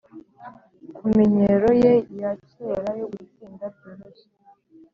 kumenyero ye ya kera yo gutsinda byoroshye.